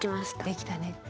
できたね。